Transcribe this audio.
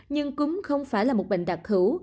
nhưng cúng không phải là một bệnh đặc thủ